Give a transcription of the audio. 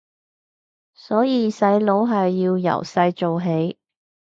所以洗腦係要由細做起